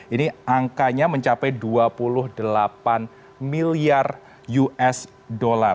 ini angkanya mencapai dua puluh delapan miliar usd